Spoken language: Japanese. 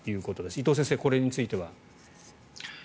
伊藤先生、これについては。